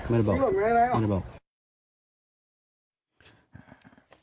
ไม่ได้บอกไม่ได้บอก